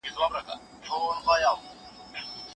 څېړنه د تشخیص پرمختګ ته اړتیا لري.